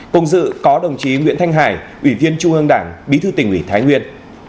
cùng dự có đồng chí nguyễn thanh hải ủy viên trung ương đảng bí thư tỉnh ủy thái nguyên